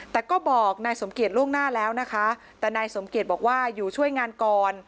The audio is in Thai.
แต่ก็บอกนายสมเกียจล่วงหน้าแล้วนะคะแต่นายสมเกียจบอกว่าอยู่ช่วยงานก่อน